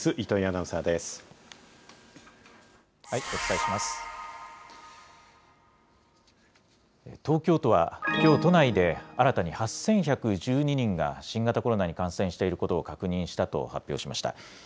東京都は、きょう、都内で新たに８１１２人が新型コロナに感染していることを確認したと発表しました。